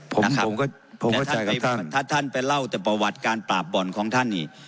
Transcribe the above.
ผมผมก็ผมเข้าใจกับท่านถ้าท่านไปเล่าแต่ประวัติการปราบบ่อนของท่านนี่